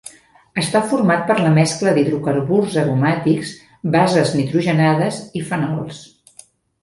Està format per la mescla d'hidrocarburs aromàtics, bases nitrogenades i fenols.